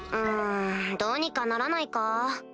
んどうにかならないか？